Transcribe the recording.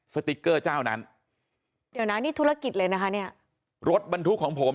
สติ๊กเกอร์เจ้านั้นเดี๋ยวนะนี่ธุรกิจเลยนะคะเนี่ยรถบรรทุกของผม